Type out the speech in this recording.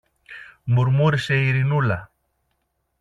μουρμούρισε η Ειρηνούλα.